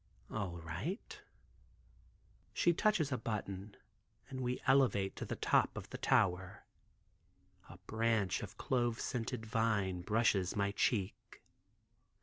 "All right." She touches a button and we elevate to the top of the tower. A branch of clove scented vine brushes my cheek.